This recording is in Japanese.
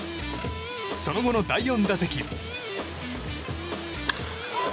その後の第４打席。